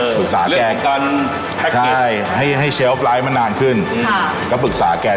ปรึกษาแก่ใช่ให้เชลฟไลท์มันนานขึ้นแล้วก็ปรึกษาแก่